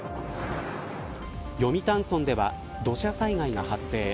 読谷村では土砂災害が発生。